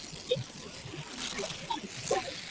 Lwaki entalo nnnnyingi nnyo mu mawanga agasinga?